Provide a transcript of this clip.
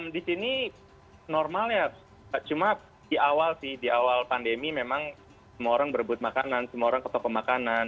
di sini normalnya cuma di awal sih di awal pandemi memang semua orang berebut makanan semua orang ke toko pemakanan